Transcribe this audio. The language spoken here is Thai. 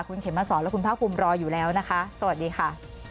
คุณเข็มมาสอนและคุณภาคภูมิรออยู่แล้วนะคะสวัสดีค่ะ